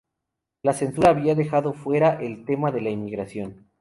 La censura había dejado fuera el tema de 'la emigración'.